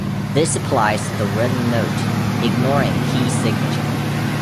This applies to the written note, ignoring key signature.